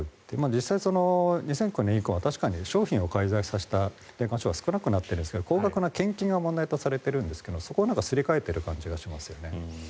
実際、２００９年以降確かに商品を介在したものが少なくなっているんですが高額な献金が問題とされているんですがそこをすり替えている感じがしますよね。